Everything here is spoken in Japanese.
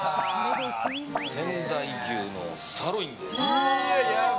仙台牛のサーロインです。